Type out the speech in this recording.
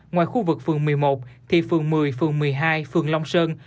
ngoài khu vực phường một mươi một thì phường một mươi phường một mươi hai phường long sơn